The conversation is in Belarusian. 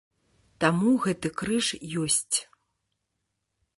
Таму гэты крыж ёсць.